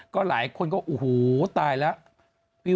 ก็หลายคนก็ว่าอูหูตายแล้ว